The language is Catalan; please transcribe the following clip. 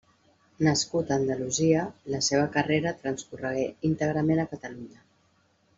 Nascut a Andalusia, la seva carrera transcorregué íntegrament a Catalunya.